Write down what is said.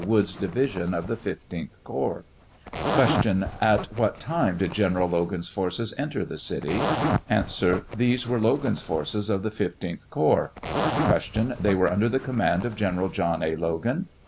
Wood's division of the 15th corps. Q. At what time did General Logan's forces enter the city ? A. These were Logan's forces of the 15th corps. Q. They were under the command of General John A. Logan?